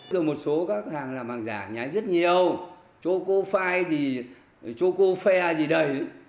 rồi một số các hàng làm hàng giả nhái rất nhiều choco fire gì choco fair gì đấy